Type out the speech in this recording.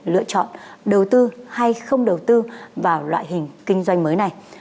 lựa chọn đầu tư hay không đầu tư vào loại hình kinh doanh mới này